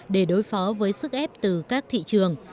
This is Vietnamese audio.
để đối phó với sức ép từ các thị trường